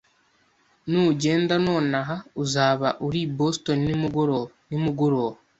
Nugenda nonaha, uzaba uri i Boston nimugoroba nimugoroba